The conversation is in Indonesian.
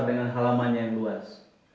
dengan halamannya yang luas